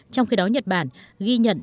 trong khi đó nhật bản ghi nhận